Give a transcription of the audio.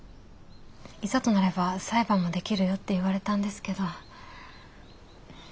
いざとなれば裁判もできるよって言われたんですけど。